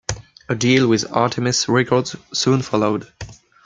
A deal with Artemis Records soon followed.